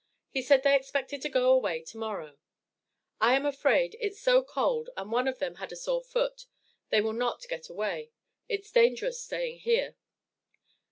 He said they expected to go away to morrow. I am afraid, it's so cold, and one of them had a sore foot, they will not get away it's dangerous staying here.